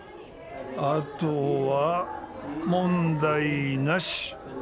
あとは問題なし。